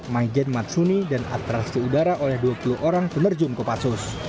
maijen matsuni dan atraksi udara oleh dua puluh orang penerjun kopassus